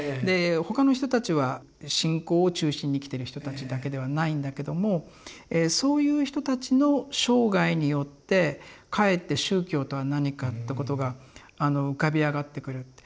で他の人たちは信仰を中心に生きてる人たちだけではないんだけどもそういう人たちの生涯によってかえって宗教とは何かってことが浮かび上がってくる。